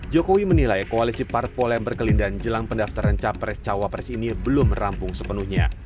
jokowi menilai koalisi parpol yang berkelindahan jelang pendaftaran capres cawapres ini belum rampung sepenuhnya